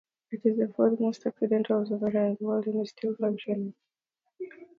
It is the fourth most ancient observatory in the world that is still functioning.